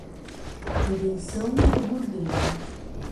Redenção do Gurgueia